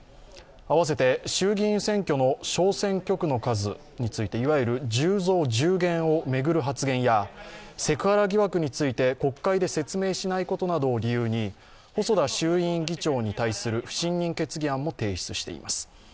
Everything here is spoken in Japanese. あわせて衆議院選挙の小選挙区の数について、いわゆる１０増１０減を巡る発言やセクハラ疑惑について国会で説明しないことなどを理由に細田衆院議長に対する不信任決議案も提出しています。